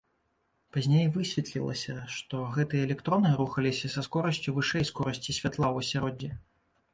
Пазней высветлілася, што гэтыя электроны рухаліся са скорасцю вышэй скорасці святла ў асяроддзі.